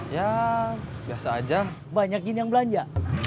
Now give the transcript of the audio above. ya biasa aja banyak semacam belanja